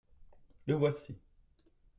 le voici.